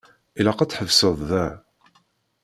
Ilaq ad tḥebseḍ da.